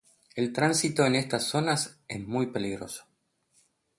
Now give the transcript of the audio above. El tránsito en estas zonas es muy peligroso.